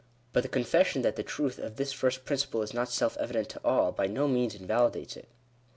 But the confession that the truth of this first principle is not self evident to all, by no means invalidates it.